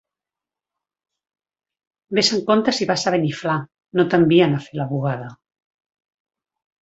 Ves amb compte si vas a Beniflà: no t'envien a fer la... bugada.